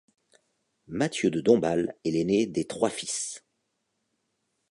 Mathieu de Dombasle est l'aîné des trois fils.